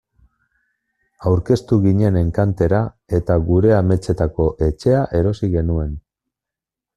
Aurkeztu ginen enkantera eta gure ametsetako etxea erosi genuen.